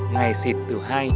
ngày xịt từ hai h